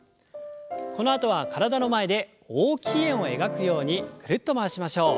このあとは体の前で大きい円を描くようにぐるっと回しましょう。